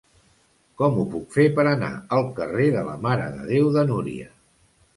Com ho puc fer per anar al carrer de la Mare de Déu de Núria?